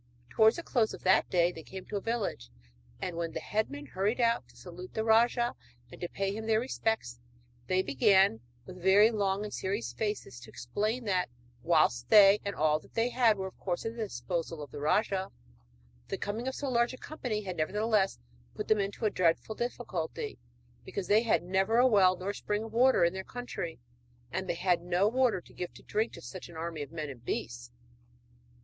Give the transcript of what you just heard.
Towards the close of that day they came to a village, and when the headmen hurried out to salute the rajah and to pay him their respects, they began, with very long and serious faces, to explain that, whilst they and all that they had were of course at the disposal of the rajah, the coming of so large a company had nevertheless put them into a dreadful difficulty because they had never a well nor spring of water in their country; and they had no water to give drink to such an army of men and beasts!